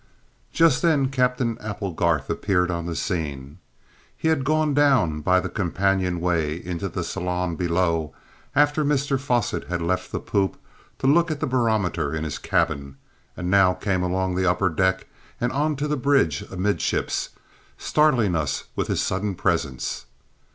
Just then Captain Applegarth appeared on the scene. He had gone down by the companion way into the saloon below, after Mr Fosset had left the poop, to look at the barometer in his cabin, and now came along the upper deck and on to the bridge amidships, startling us with his sudden presence.